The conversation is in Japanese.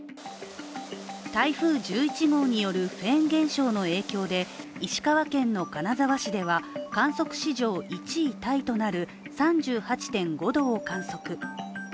台風１１号によるフェーン現象の影響で石川県の金沢市では観測史上１位タイとなる３８．５度を観測。